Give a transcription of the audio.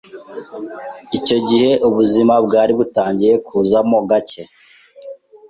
icyo gihe ubuzima bwari butangiye kuzamo gacye